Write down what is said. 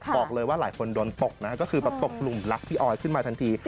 บอกเลยว่าหลายคนโดนตกนะฮะก็คือแบบตกหลุมรักพี่ออยขึ้นมาทันที